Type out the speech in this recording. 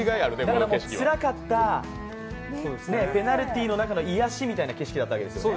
だからつらかったペナルティーの中の癒やしみたいな感じだったんですね。